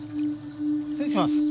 失礼します。